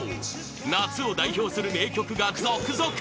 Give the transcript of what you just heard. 夏を代表する名曲が続々